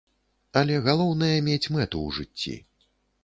Але галоўнае мець мэту ў жыцці.